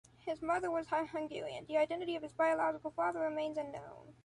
His mother was Hungarian, the identity of his biological father remains unknown.